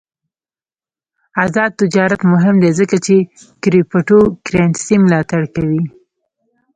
آزاد تجارت مهم دی ځکه چې کریپټو کرنسي ملاتړ کوي.